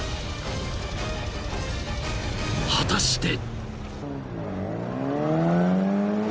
［果たして］